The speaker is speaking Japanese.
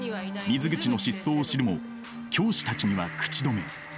水口の失踪を知るも教師たちには口止め。